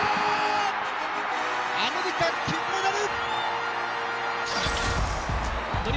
アメリカ、金メダル！